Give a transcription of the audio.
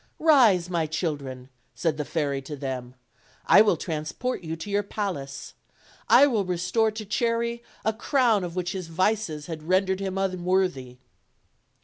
"Kise, my children/'' said the fairy to them; "I will transport you to your palace: I will restore to Cherry a crown of which his vices had rendered him unworthy."